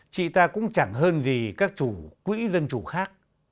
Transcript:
chị ta cũng chẳng hơn gì các chủ quỹ dân chủ khác